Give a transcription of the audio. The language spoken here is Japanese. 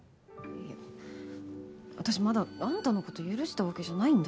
いや私まだあんたの事許したわけじゃないんだけど？